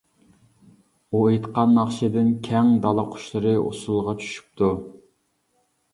ئۇ ئېيتقان ناخشىدىن كەڭ دالا-قۇشلىرى ئۇسسۇلغا چۈشۈپتۇ.